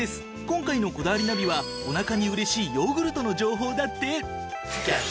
今回の『こだわりナビ』はおなかに嬉しいヨーグルトの情報だって！